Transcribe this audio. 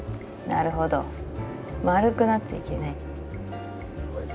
なるほど丸くなっちゃいけない。